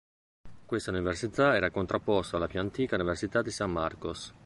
Questa università era contrapposta alla più antica Università di San Marcos.